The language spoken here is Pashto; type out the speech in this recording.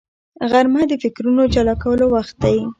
غرمه د فکرونو جلا کولو وخت دی